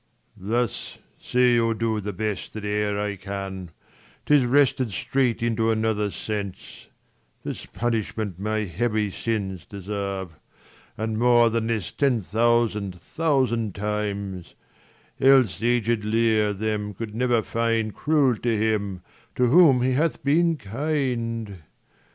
Leir. Thus, say or do the best that e'er I can, 'Tis wrested straight into another sense : This punishment my heavy sins deserve, And more than this ten thousand thousand times : 40 Else aged Leir them could never find Cruel to him, to whom he hath been .kind.